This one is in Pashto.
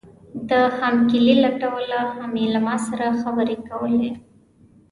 ده هم کیلي لټوله هم یې ما سره خبرې کولې.